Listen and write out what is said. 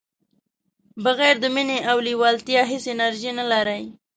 بغیر د مینې او لیوالتیا هیڅ انرژي نه لرئ.